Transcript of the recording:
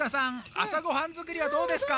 朝ごはんづくりはどうですか？